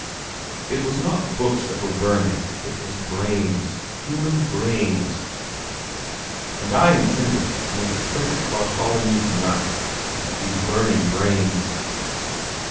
It was not books that were burning, it was brains, human brains; and I intended to make a perfect Bartholomew's night of these burning brains.